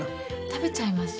食べちゃいます。